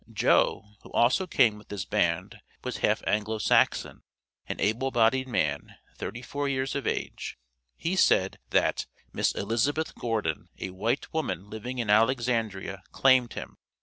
Joe, who also came with this band, was half Anglo Saxon; an able bodied man, thirty four years of age. He said, that "Miss Elizabeth Gordon, a white woman living in Alexandria," claimed him.